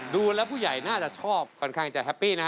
ดูแล้วผู้ใหญ่น่าจะชอบค่อนข้างจะแฮปปี้นะ